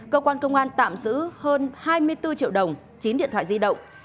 cơ quan công an tạm giữ hơn hai mươi bốn triệu đồng chín điện thoại di động